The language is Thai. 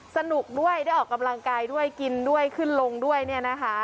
สนุกด้วยได้ออกกำลังกายด้วยกินด้วยขึ้นลงด้วยเนี่ยนะคะ